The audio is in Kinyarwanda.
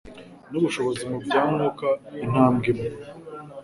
n’ubushobozi mu bya Mwuka. Intambwe imwe